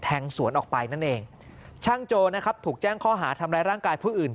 สวนออกไปนั่นเองช่างโจนะครับถูกแจ้งข้อหาทำร้ายร่างกายผู้อื่น